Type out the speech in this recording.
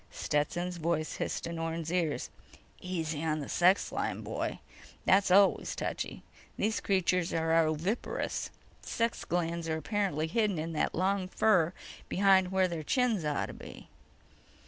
Stetson's voice hissed in Orne's ears: _"Easy on the sex line, boy. That's always touchy. These creatures are oviparous. Sex glands are apparently hidden in that long fur behind where their chins ought to be."